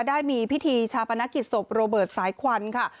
ได้มีพิธีชาปนกิจศพโรเบิร์ตสายควันค่ะ